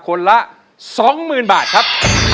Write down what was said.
คนละ๒หมื่นบาทครับ